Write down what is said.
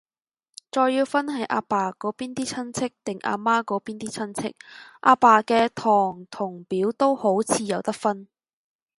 再要分係阿爸嗰邊啲親戚，定阿媽嗰邊啲親戚，阿爸嘅堂同表都好似有得分